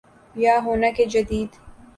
یا ہونا کہ جدید